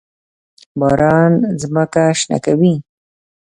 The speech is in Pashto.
باران ځمکه شنه کوي.